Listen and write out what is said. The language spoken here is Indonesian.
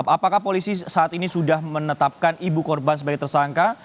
apakah polisi saat ini sudah menetapkan ibu korban sebagai tersangka